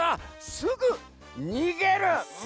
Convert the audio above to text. すぐにげる！